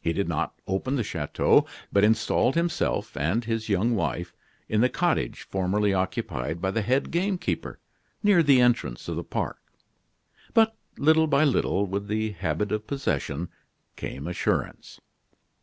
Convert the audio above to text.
He did not open the chateau, but installed himself and his young wife in the cottage formerly occupied by the head game keeper, near the entrance of the park. But, little by little, with the habit of possession, came assurance.